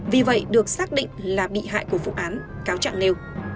vì vậy được xác định là bị hại của vụ án cáo trạng nêu